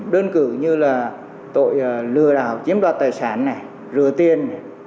đơn cử như là tội lừa đảo chiếm đoạt tài sản này rửa tiền